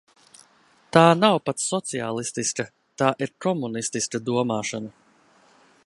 Tā nav pat sociālistiska, tā ir komunistiska domāšana.